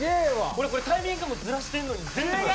これこれタイミングもズラしてるのに全部とる。